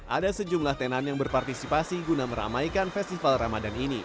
ada sejumlah tenan yang berpartisipasi guna meramaikan festival ramadan ini